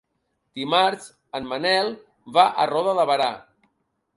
Dimarts en Manel va a Roda de Berà.